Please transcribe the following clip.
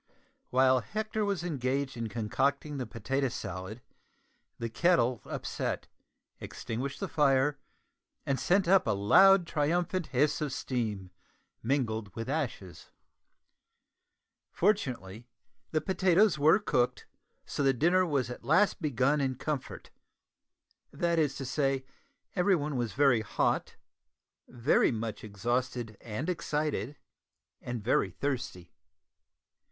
While Hector was engaged in concocting the potato salad the kettle upset, extinguished the fire, and sent up a loud triumphant hiss of steam mingled with ashes. Fortunately the potatoes were cooked, so the dinner was at last begun in comfort that is to say, everyone was very hot, very much exhausted and excited, and very thirsty.